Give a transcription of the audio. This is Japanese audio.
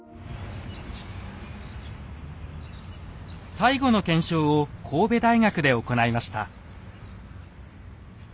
最後の検証を神戸大学で行いました。